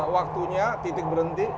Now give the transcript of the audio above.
waktunya titik berhenti